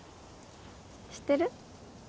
知ってる？